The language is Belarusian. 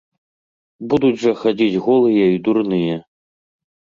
Будуць жа хадзіць голыя і дурныя!